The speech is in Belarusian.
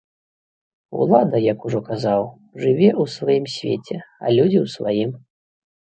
Улада, як ужо казаў, жыве ў сваім свеце, а людзі ў сваім.